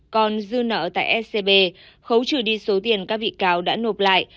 còn dư nợ tại scb khấu trừ đi số tiền các bị cáo đã nộp lại